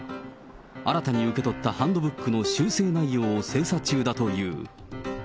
新たに受け取ったハンドブックの修正内容を精査中だという。